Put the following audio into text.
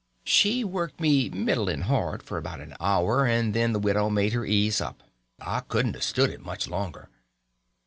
She worked me middling hard for about an hour, and then the widow made her ease up. I couldn't stood it much longer.